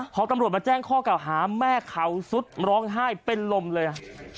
พอตำรวจมาแจ้งข้อเก่าหาแม่เขาสุดร้องไห้เป็นลมเลย